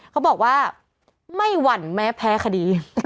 เขาบอกว่าไม่หวั่นแม้แพ้คดี